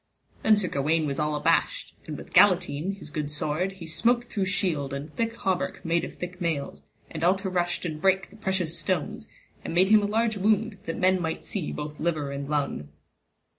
Then Sir Gawaine was all abashed, and with Galatine his good sword he smote through shield and thick hauberk made of thick mails, and all to rushed and break the precious stones, and made him a large wound, that men might see both liver and lung.